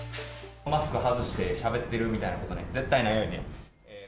マスク外してしゃべってるみたいなことが絶対にないように。